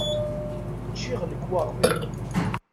Ččiɣ lekwaɣeḍ-iw.